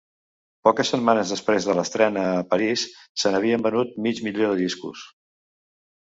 Poques setmanes després de l'estrena a París se n'havien venut mig milió de discos.